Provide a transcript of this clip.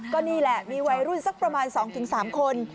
ก็นี่แหละมีวัยรุ่นสักประมาณ๒๓คน